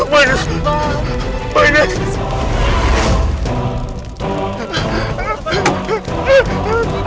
ada apaan sih